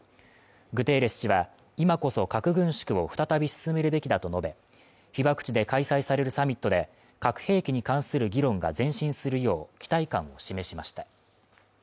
グテーレス氏は、今こそ核軍縮を再び進めるべきだと述べ、被爆地で開催されるサミットで核兵器に関する議論が前進するよう期待感を示しました。